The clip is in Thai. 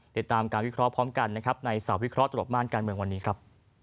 ติดตามการวิเคราะห์พร้อมกันนะครับในสาววิเคราะหลบม่านการเมืองวันนี้ครับ